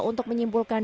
untuk menyimpulkan dugaan